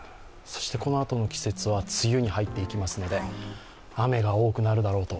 このあとの季節は梅雨に入っていきますので、雨が多くなるだろうと。